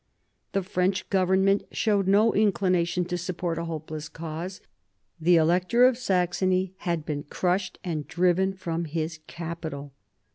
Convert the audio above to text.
The French Government showed no inclination to support a hopeless cause. The Elector of Saxony had been crushed and driven from his capital.